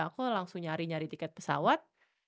aku langsung nyari nyari tiket pesawat